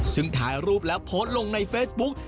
ซึ่งถ่ายรูปแล้วโพสต์ลงในเฟซบุ๊ก